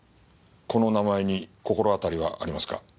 この名前に心当たりはありますか？